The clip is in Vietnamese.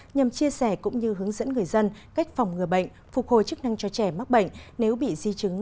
nhằm chia sẻ cũng như hướng dẫn người dân cách phòng ngừa bệnh phục hồi chức năng cho trẻ mắc bệnh nếu bị di chứng